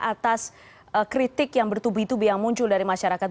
atas kritik yang bertubi tubi yang muncul dari masyarakat